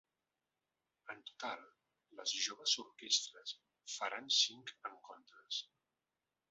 En total, les joves orquestres faran cinc encontres.